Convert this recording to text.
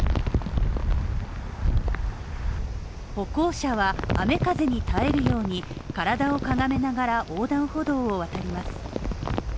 歩行者は雨・風に耐えるように体をかがめながら横断歩道を渡ります。